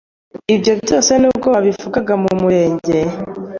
Ibyo byose n’ubwo babivugaga mu marenga,